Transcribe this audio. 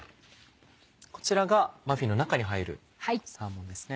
こちらがマフィンの中に入るサーモンですね。